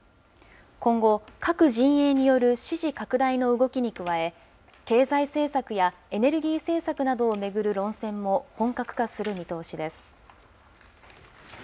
今後、各陣営による支持拡大の動きに加え、経済政策やエネルギー政策などを巡る論戦も本格化する見通しです。